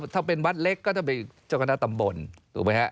ถ้าเป็นวัดเล็กก็ต้องเป็นเจ้าคณะตำบลถูกไหมฮะ